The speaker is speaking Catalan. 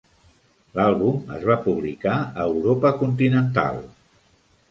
L'àlbum es va publicar a Europa continental.